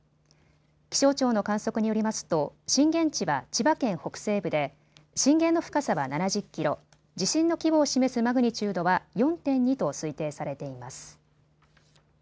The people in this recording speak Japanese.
気象庁の観測によりますと震源地は千葉県北西部で震源の深さは７０キロ、地震の規模を示すマグニチュードは４．２と推定されています。